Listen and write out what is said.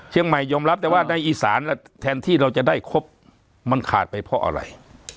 ยอมรับแต่ว่าในอีสานแทนที่เราจะได้ครบมันขาดไปเพราะอะไร